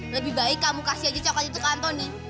lebih baik kamu kasih aja coklat itu ke antoni